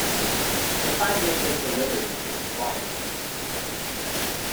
If I may take the liberty to inquire.